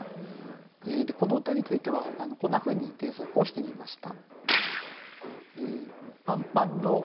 この歌についてはこんなふうに添削をしてみました。